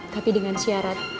tapi dengan syarat